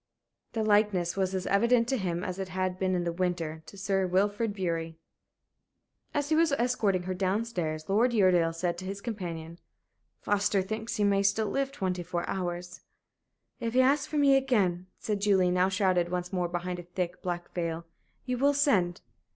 The likeness was as evident to him as it had been, in the winter, to Sir Wilfrid Bury. As he was escorting her down stairs, Lord Uredale said to his companion, "Foster thinks he may still live twenty four hours." "If he asks for me again," said Julie, now shrouded once more behind a thick, black veil, "you will send?"